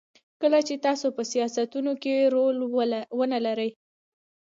کله چې تاسو په سیاستونو کې رول ونلرئ.